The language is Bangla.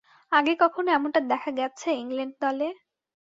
আগে কখনো এমনটা দেখা গেছে ইংল্যান্ড দলে?